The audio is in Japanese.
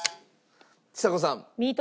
ちさ子さん。